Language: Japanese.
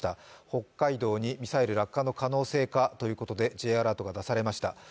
北海道にミサイル落下の可能性かということでＪアラートが出されました。